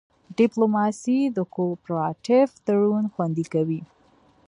ډیپلوماسي د کوپراتیف تړون خوندي کوي